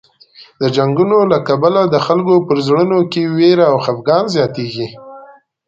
د جنګونو له کبله د خلکو په زړونو کې وېره او خفګان زیاتېږي.